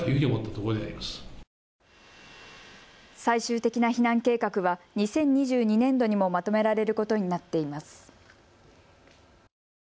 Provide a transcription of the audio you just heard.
最終的な避難計画は２０２２年度にもまとめられることになっています。